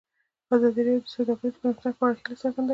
ازادي راډیو د سوداګري د پرمختګ په اړه هیله څرګنده کړې.